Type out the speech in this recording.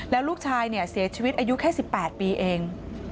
แล้วลูกชายเสียชีวิตอายุแค่๑๘ปีเอง